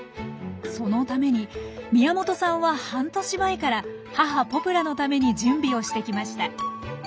そのために宮本さんは半年前から母ポプラのために準備をしてきました。